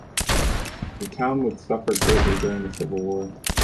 The town would suffer greatly during the Civil War.